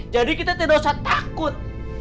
jadi kita tidak usah takut